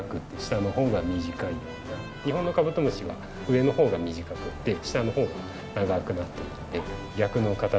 日本のカブトムシは上の方が短くて下の方が長くなってるんで逆の形をしてます。